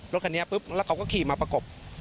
รถคันนี้ปุ๊บแล้วเขาก็ขี่มาประกบ